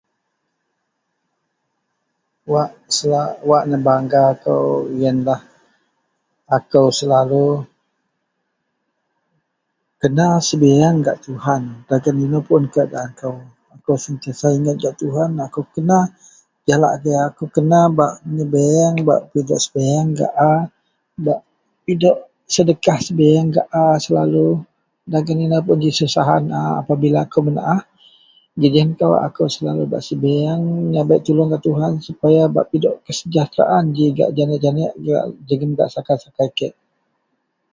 wak sua wak nebangga kou ienlah akou selalu kena sebieng gak Tuhan dagen inou pun keadaan kou, akou sentiasa ingat gak Tuhan, akou kena , jalak agei akou kena bak meyebieng bak pidok sebieng gak a, bak pidok sedekah sebieng gak a selalu dagen inou pun ji susahan a pabila akou menaah gejien kawa akou selalu bak sebieng meyabek tulung gak Tuhan supaya bak pidok kesejahteraan ji gak janek-jenek wa jegum gak sakai-sakai kek